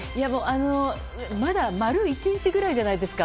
まだ丸一日ぐらいじゃないですか。